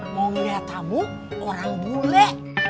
mau melihat tamu orang bule